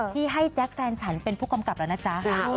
ที่ให้แจ๊คแฟนฉันเป็นผู้กำกับแล้วนะจ๊ะ